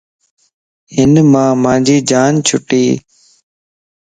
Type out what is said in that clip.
ھن مان مانجي جان چھٽي